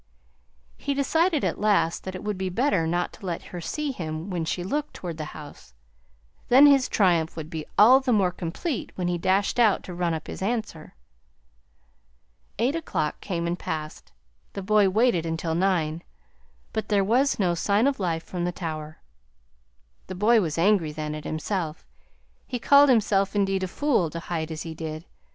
He decided at last that it would be better not to let her see him when she looked toward the house; then his triumph would be all the more complete when he dashed out to run up his answer. "Eight o'clock came and passed. The boy waited until nine, but there was no sign of life from the tower. The boy was angry then, at himself. He called himself, indeed, a fool, to hide as he did.